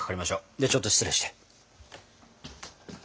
ではちょっと失礼して。